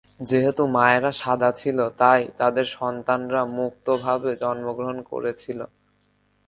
যেহেতু মায়েরা সাদা ছিল, তাই তাদের সন্তানরা মুক্তভাবে জন্মগ্রহণ করেছিল।